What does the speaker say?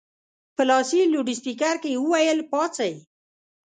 په لاسي لوډسپیکر کې یې وویل پاڅئ.